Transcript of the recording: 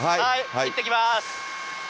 行ってきまーす。